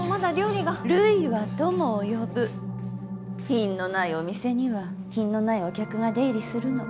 品のないお店には品のないお客が出入りするの。